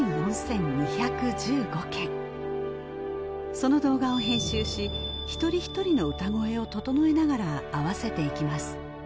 その動画を編集し一人一人の歌声を整えながら合わせていきます